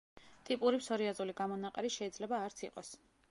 ტიპური ფსორიაზული გამონაყარი შეიძლება არც იყოს.